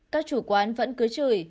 các chủ quán vẫn cứ chửi